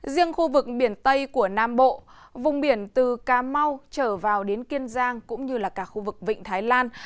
riêng khu vực biển tây của nam bộ vùng biển từ cà mau trở vào đến kiên giang cũng như là cả khu vực vịnh thái lan